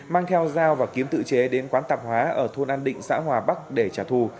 mang theo dao và kiếm tự chế đến quán tạp hóa ở thôn an định xã hòa bắc để trả thù